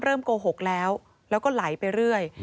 โกหกแล้วแล้วก็ไหลไปเรื่อย